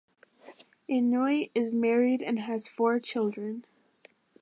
Inouye is married and has four children.